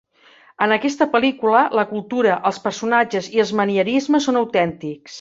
En aquesta pel·lícula, la cultura, els personatges i els manierismes són autèntics.